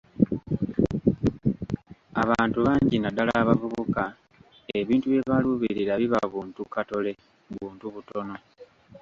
Abantu bangi naddala abavubuka ebintu bye baluubirira biba buntu katole, buntu butono.